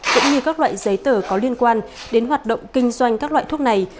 cũng như các loại giấy tờ có liên quan đến hoạt động kinh doanh các loại thuốc này